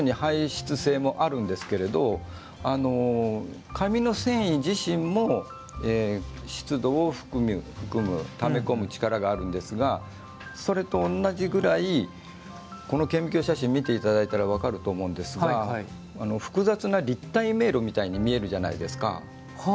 同じように排出性もあるんですけど紙の繊維自身も湿度を含む、ため込む力があるんですがそれと同じぐらい顕微鏡の写真を見ていただいたら分かりますが複雑な立体迷路みたいに見えるじゃないですか